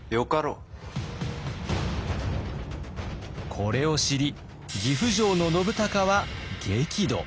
これを知り岐阜城の信孝は激怒。